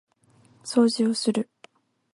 掃除をする